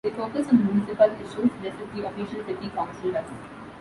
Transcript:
They focus on municipal issues, just as the official City Council does.